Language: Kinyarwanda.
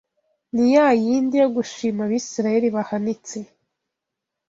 ni ya yindi yo gushima Abisirayeli bahanitse